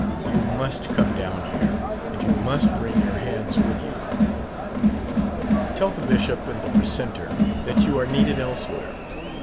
You must come down here, and you must bring your hands with you. Tell the bishop and the precentor that you are needed elsewhere.